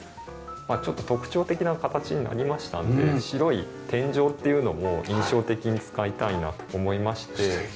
まあちょっと特徴的な形になりましたんで白い天井っていうのも印象的に使いたいなと思いまして。